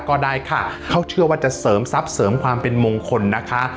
ก็ได้ค่ะเขาเชื่อว่าจะเสริมทรัพย์เสริมความเป็นมงคลนะคะ